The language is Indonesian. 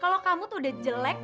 kalau kamu tuh udah jelek